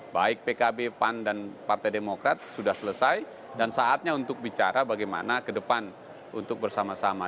baik pkb pan dan partai demokrat sudah selesai dan saatnya untuk bicara bagaimana ke depan untuk bersama sama